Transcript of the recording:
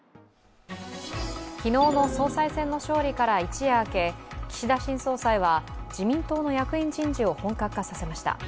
昨日の総裁選の勝利から一夜明け、岸田新総裁は自民党の役員人事を本格化させました。